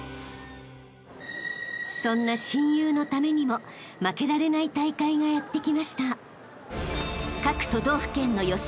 ［そんな親友のためにも負けられない大会がやってきました］